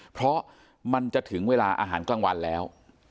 เพราะมันจะถึงเวลาอาหารกลางวันแล้ว